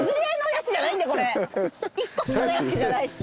１個しかないわけじゃないし。